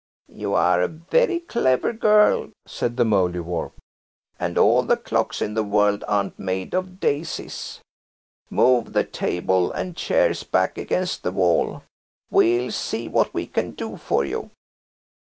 "You are a very clever girl," said the Mouldiwarp, "and all the clocks in the world aren't made of daisies. Move the table and chairs back against the wall; we'll see what we can do for you."